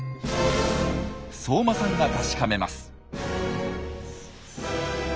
相馬さんが確かめます。